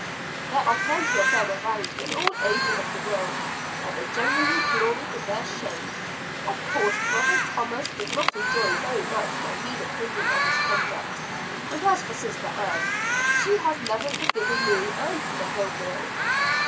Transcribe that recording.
There are plenty of them around in all ages of the world, and they generally glory in their shame. Of course brother Thomas did not enjoy very much my mean opinion of his conduct and as for sister Ann, she has never forgiven me, and never will."